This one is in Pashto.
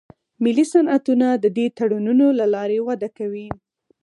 ملي صنعتونه د دې تړونونو له لارې وده کوي